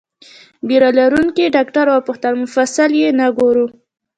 ږیره لرونکي ډاکټر وپوښتل: مفصل یې نه ګورو؟